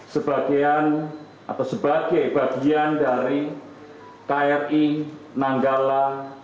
sebagai bagian dari kri nanggala empat ratus dua